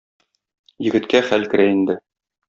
Егеткә хәл керә инде.